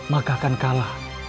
maka akan kalah